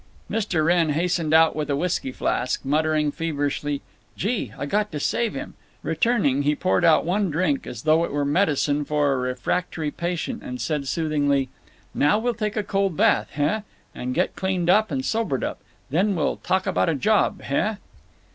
Mr. Wrenn hastened out with a whisky flask, muttering, feverishly, "Gee! I got to save him." Returning, he poured out one drink, as though it were medicine for a refractory patient, and said, soothingly: "Now we'll take a cold bath, heh? and get cleaned up and sobered up. Then we'll talk about a job, heh?"